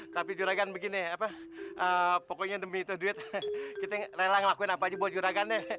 tapi juragan begini apa pokoknya demi itu duit kita rela ngelakuin apa aja buat juragannya